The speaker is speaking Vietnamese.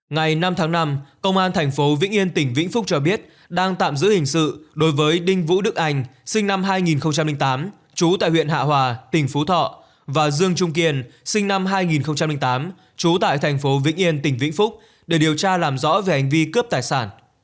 ngày năm tháng năm công an thành phố vĩnh yên tỉnh vĩnh phúc cho biết đang tạm giữ hình sự đối với đinh vũ đức anh sinh năm hai nghìn tám chú tại huyện hạ hòa tỉnh phú thọ và dương trung kiên sinh năm hai nghìn tám trú tại thành phố vĩnh yên tỉnh vĩnh phúc để điều tra làm rõ về hành vi cướp tài sản